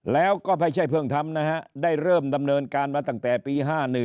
แล้วก็ไม่ใช่เพิ่งทำนะฮะได้เริ่มดำเนินการมาตั้งแต่ปี๕๑